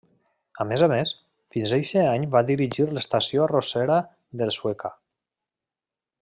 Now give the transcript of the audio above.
A més a més, fins eixe any va dirigir l'Estació Arrossera de Sueca.